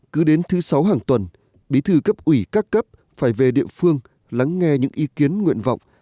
cứ đến thứ sáu hàng tuần bí thư cấp ủy các cấp phải về địa phương lắng nghe những ý kiến nguyện vọng